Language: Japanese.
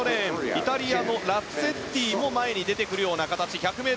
イタリアのラッツェッティも前に出てくるような形。